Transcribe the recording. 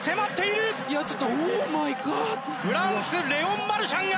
フランスレオン・マルシャンが。